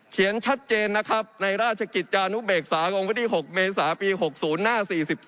เขียนชัดเจนนะครับในราชกิจจานุเบกษาของวันที่๖เมษาปี๖๐หน้า๔๒